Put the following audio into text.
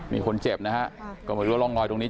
มีคนเจ็บนะฮะก็ไม่รู้ว่าร่องรอยตรงนี้